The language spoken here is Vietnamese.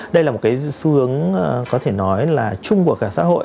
đây là một cái xu hướng có thể nói là chung của cả xã hội